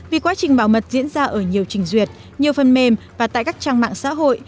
vì quá trình bảo mật diễn ra ở nhiều trình duyệt nhiều phần mềm và tại các trang mạng xã hội